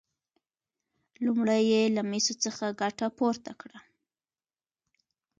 لومړی یې له مسو څخه ګټه پورته کړه.